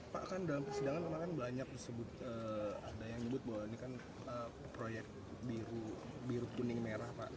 pak kan dalam persidangan kemarin kan banyak disebut ada yang menyebut bahwa ini kan proyek biru kuning merah pak